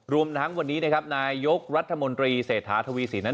รวมทั้งวันนี้นะครับนายยกรัฐมนตรีเศรษฐาทวีสินนั้น